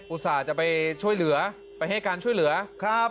อุตส่าห์จะไปช่วยเหลือไปให้การช่วยเหลือครับ